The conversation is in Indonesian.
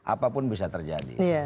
apapun bisa terjadi